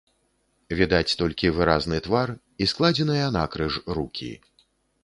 Відаць толькі выразны твар і складзеныя накрыж рукі.